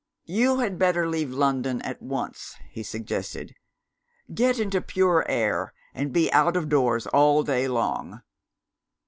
"You had better leave London at once," he suggested. "Get into pure air, and be out of doors all day long."